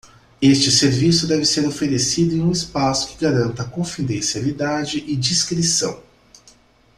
Este serviço deve ser oferecido em um espaço que garanta confidencialidade e discrição.